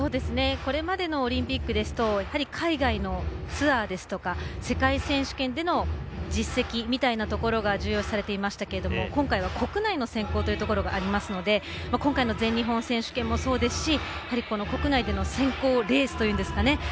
これまでのオリンピックですと海外のツアーですとか世界選手権での実績みたいなところが重要視されていましたが今回は国内の選考というところがありますので今回の全日本選手権もそうですし国内での選考レースというんですかね。